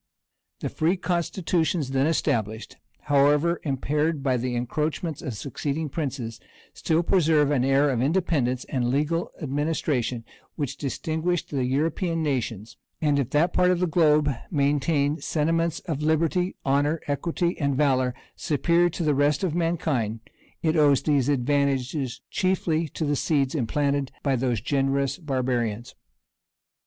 The free constitutions then established, however impaired by the encroachments of succeeding princes, still preserve an air of independence and legal administration, which distinguished the European nations; and if that part of the globe maintain sentiments of liberty, honor, equity, and valor superior to the rest of mankind, it owes these advantages chiefly to the seeds implanted by those generous barbarians.